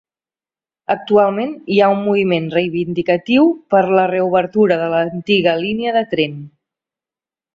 Actualment hi ha un moviment reivindicatiu per la reobertura de l'antiga línia de tren.